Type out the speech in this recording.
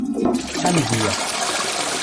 Amedya.